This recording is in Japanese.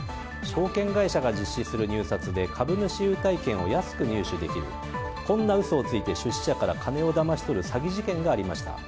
証券会社が実施する入札で株主優待券を安く入手できるこんな嘘をついて出資者から金をだまし取る詐欺事件がありました。